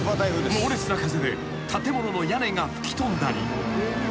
［猛烈な風で建物の屋根が吹き飛んだり］